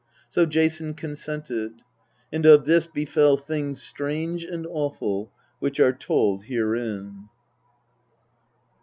So Jason consented. And of this be fell things strange and awful, which are told herein.